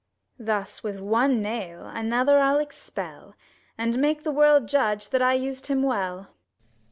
Thus with one nail another I'll expel, And make the world judge, that I us'd him well.